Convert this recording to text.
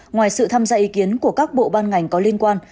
ngoài sự tham gia ý kiến của các bộ ban ngành có liên quan